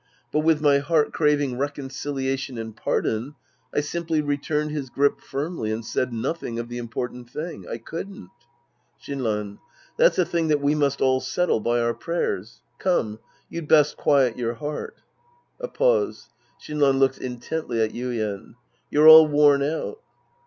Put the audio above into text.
But with my heart craving reconcilia tion and pardon, I simply returned his grip firmly and said nothing of the important thing. I couldn't. Shinran. That's a thing that we must all settle by our prayers. Come, you'd best quiet your heart. {A pause. Shinran looks intently at Yuien.) You're all worn out.